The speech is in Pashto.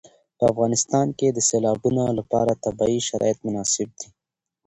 په افغانستان کې د سیلابونه لپاره طبیعي شرایط مناسب دي.